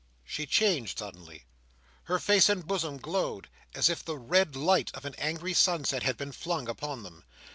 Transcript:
She changed suddenly. Her face and bosom glowed as if the red light of an angry sunset had been flung upon them.